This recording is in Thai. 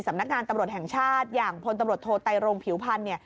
สำนักงานตำรวจแห่งชาติอย่างพตโตไตรงผิวพันธ์